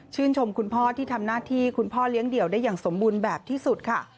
ชมคุณพ่อที่ทำหน้าที่คุณพ่อเลี้ยงเดี่ยวได้อย่างสมบูรณ์แบบที่สุดค่ะ